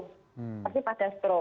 seperti pada strok